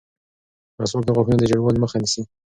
مسواک د غاښونو د ژېړوالي مخه نیسي.